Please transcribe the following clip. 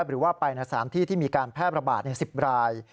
หรือว่าไปในสถานที่ที่มีการแพร่ระบาด๑๐ราย